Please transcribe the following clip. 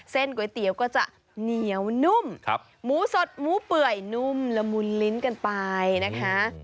ก๋วยเตี๋ยวก็จะเหนียวนุ่มหมูสดหมูเปื่อยนุ่มละมุนลิ้นกันไปนะคะ